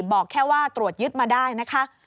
บอกแค่ว่าตรวจยึดมาได้นะคะ